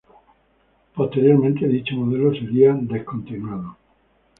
Posteriormente dicho modelo sería descontinuado.